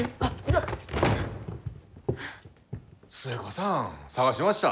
寿恵子さん捜しました。